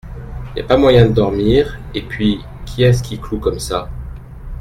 Y a pas moyen de dormir !… et puis, qui est-ce qui cloue comme ça ?